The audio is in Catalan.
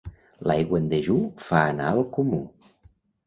L'aigua en dejú fa anar al comú.